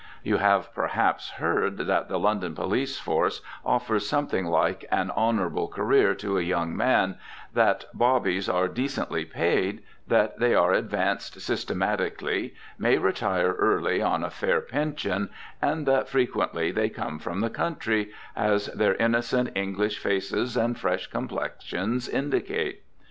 You have, perhaps, heard that the London police force offers something like an honourable career to a young man, that "Bobbies" are decently paid, that they are advanced systematically, may retire early on a fair pension, and that frequently they come from the country, as their innocent English faces and fresh complexions indicate.